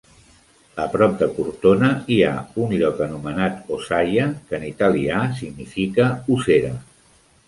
A prop de Cortona, hi ha un lloc anomenat Ossaia, que en italià significa ossera.